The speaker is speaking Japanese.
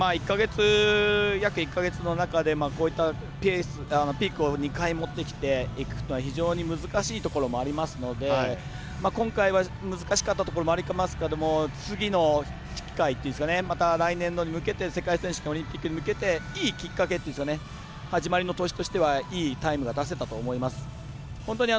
約１か月の中でこういったピークを２回持っていくというのは非常に難しいところもありますので今回は難しかったところもありますけど次の機会、また来年に向けて世界選手権やオリンピックに向けていいきっかけというか始まりの年としてはいい結果が出せたと思います。